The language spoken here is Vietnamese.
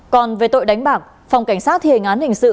còn về tội đánh bạc phòng cảnh sát thiền án hình sự